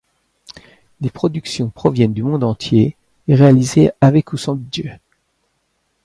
Les productions proviennent du monde entier, réalisées avec ou sans budget.